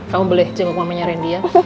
kamu boleh jemput mamanya rendy ya